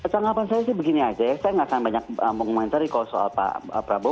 tanggapan saya sih begini aja ya saya nggak akan banyak mengomentari kalau soal pak prabowo